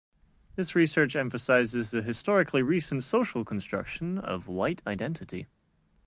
This research emphasizes the historically recent social construction of white identity.